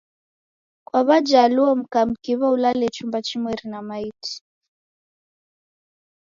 Kwa Wajaluo mka mkiw'a ulale chumba chimweri na maiti.